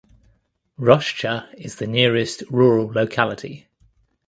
Roshcha is the nearest rural locality.